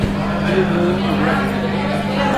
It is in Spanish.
ellos no hubieran vivido